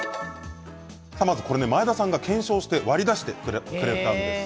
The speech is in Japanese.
前田さんが検証して割り出してくれたんです。